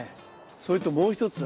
それともう一つ。